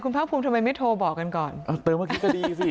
ภาคภูมิทำไมไม่โทรบอกกันก่อนเอาเติมเมื่อกี้ก็ดีสิ